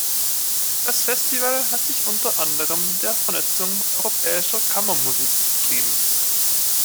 Das Festival hat sich unter anderem der Vernetzung europäischer Kammermusik verschrieben.